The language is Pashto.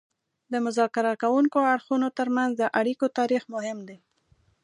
د مذاکره کوونکو اړخونو ترمنځ د اړیکو تاریخ مهم دی